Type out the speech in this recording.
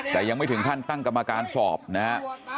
แต่ยังไม่ถึงขั้นตั้งกรรมการสอบนะฮะ